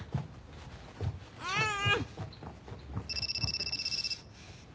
うん！